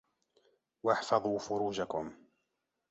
وَاحْفَظُوا فُرُوجَكُمْ